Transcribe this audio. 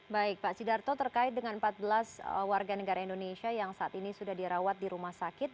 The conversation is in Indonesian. baik pak sidarto terkait dengan empat belas warga negara indonesia yang saat ini sudah dirawat di rumah sakit